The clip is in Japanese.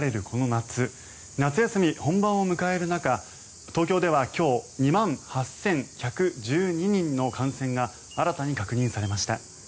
夏休み本番を迎える中東京では今日２万８１１２人の感染が新たに確認されました。